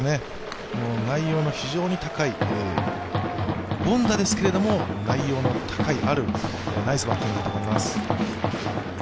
内容の非常に高い、凡打ですけど、内容のあるナイスバッティングだと思います。